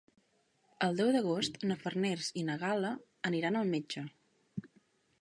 El deu d'agost na Farners i na Gal·la aniran al metge.